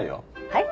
はい？